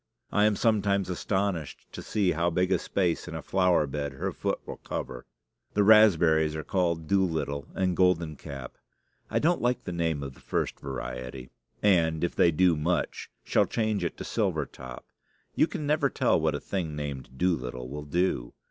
I am sometimes astonished to see how big a space in a flower bed her foot will cover. The raspberries are called Doolittle and Golden Cap. I don't like the name of the first variety, and, if they do much, shall change it to Silver Top. You can never tell what a thing named Doolittle will do.